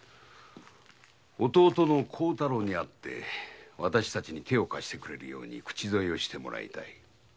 弟の孝太郎に会ってわたしたちに手を貸してくれるように口添えをしてもらいたい。